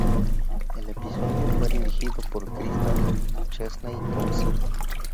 El episodio fue dirigido por Crystal Chesney-Thompson.